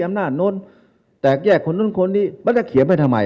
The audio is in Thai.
อำนาจโน้นแตกแยกคนนู้นคนนี้มันจะเขียนไปทำไม